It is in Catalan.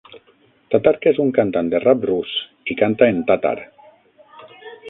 Tatarka és un cantant de rap rus, i canta en tàtar.